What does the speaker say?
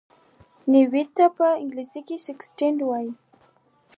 نحوي ته په انګلېسي کښي Syntax وایي.